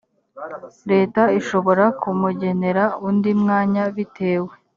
leta ishobora kumugenera undi mwanya bitewe